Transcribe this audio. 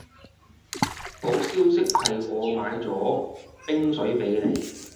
好消息係我買咗冰水畀你